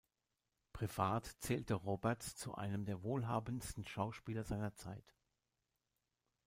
Privat zählte Roberts zu einem der wohlhabendsten Schauspieler seiner Zeit.